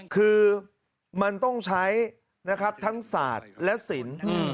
คือมันต้องใช้นะครับทั้งศาสตร์และศิลป์